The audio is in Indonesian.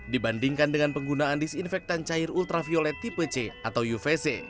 dibandingkan dengan penggunaan disinfektan cair ultraviolet tipe c atau uvc